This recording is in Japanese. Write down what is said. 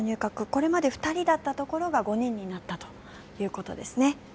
これまで２人だったところが５人になったということですね。